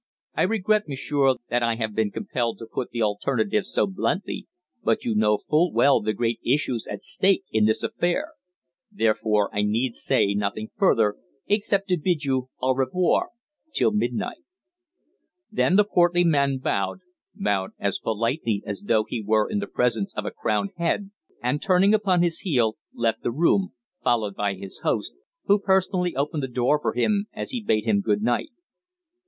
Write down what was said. I regret, m'sieur, that I have been compelled to put the alternative so bluntly, but you know full well the great issues at stake in this affair. Therefore I need say nothing further, except to bid you au revoir till midnight." Then the portly man bowed bowed as politely as though he were in the presence of a crowned head and, turning upon his heel, left the room, followed by his host, who personally opened the door for him as he bade him good night.